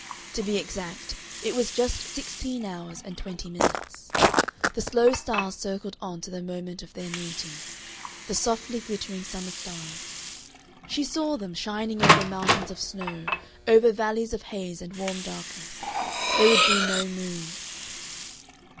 To be exact, it was just sixteen hours and twenty minutes. The slow stars circled on to the moment of their meeting. The softly glittering summer stars! She saw them shining over mountains of snow, over valleys of haze and warm darkness.... There would be no moon.